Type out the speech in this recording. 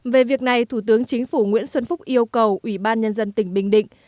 về việc này thủ tướng chính phủ nguyễn xuân phúc yêu cầu ủy ban nhân dân tỉnh bình định